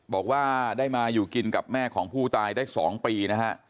บอกว่าได้มาอยู่กินกับแม่ของผู้ตายได้๒ปีนะฮะ